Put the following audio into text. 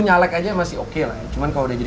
nyalek aja masih oke lah cuman kalau udah jadi